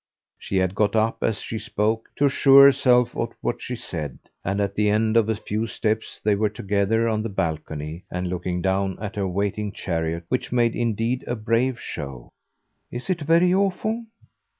She had got up, as she spoke, to assure herself of what she said; and at the end of a few steps they were together on the balcony and looking down at her waiting chariot, which made indeed a brave show. "Is it very awful?"